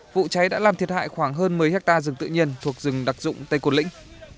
vụ cháy đã làm thiệt hại khoảng hơn một mươi hectare rừng tự nhiên thuộc rừng đặc dụng tây côn lĩnh